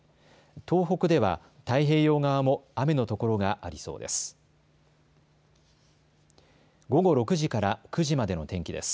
東北では太平洋側も雨の所がありそうです。